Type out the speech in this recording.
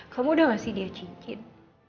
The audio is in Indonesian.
kamu udah ngasih dia cincin